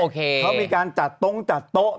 เขามีการจัดโต๊ะจัดโต๊ะ